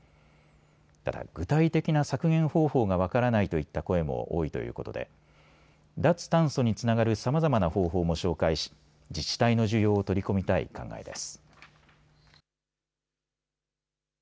ただ具体的な削減方法が分からないといった声も多いということで脱炭素につながるさまざまな方法も紹介し自治体の需要を取り込みたい考えです。